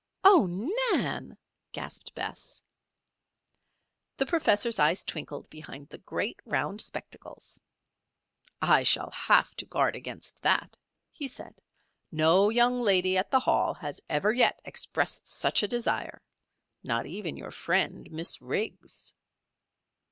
"Oh, Nan!" gasped Bess. The professor's eyes twinkled behind the great, round spectacles. "I shall have to guard against that," he said. "No young lady at the Hall has ever yet expressed such a desire not even your friend, Miss Riggs."